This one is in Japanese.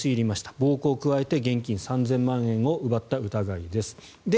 暴行を加えて現金３０００万円を奪った疑いです。